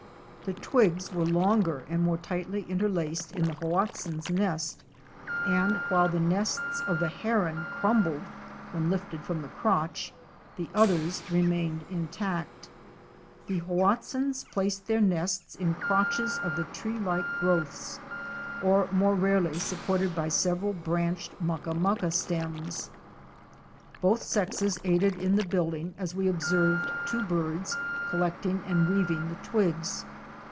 The twigs were longer and more tightly interlaced in the Hoatzin's nest, and while the nests of the Heron crumbled when lifted from the crotch, the others remained intact. The Hoatzins placed their nests in crotches of the tree like growths, or more rarely supported by several branched mucka mucka stems. Both sexes aided in the building as we observed two birds collect ing and weaving the twigs.